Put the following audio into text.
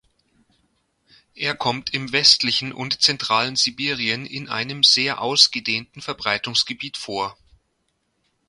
Er kommt im westlichen und zentralen Sibirien in einem sehr ausgedehnten Verbreitungsgebiet vor.